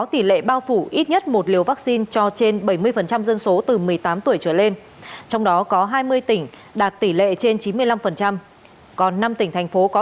tỷ lệ bao phủ ít nhất một liều vaccine là gần chín mươi và tỷ lệ tiêm đủ hai liều vaccine là khoảng gần năm mươi sáu dân số